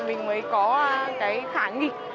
mình mới có cái khả nghi